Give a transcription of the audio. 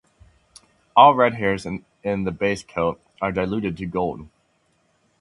All red hairs in the base coat are diluted to gold.